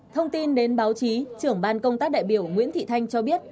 thông tin đến báo chí trưởng ban công tác đại biểu nguyễn thị thanh cho biết